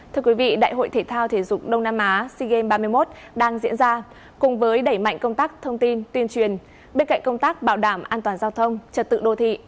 thưa quý vị đại hội thể thao thể dục đông nam á sea games ba mươi một đang diễn ra cùng với đẩy mạnh công tác thông tin tuyên truyền bên cạnh công tác bảo đảm an toàn giao thông trật tự đô thị